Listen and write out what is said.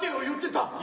言ってた。